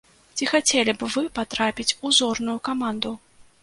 Ці хацелі б вы патрапіць у зорную каманду?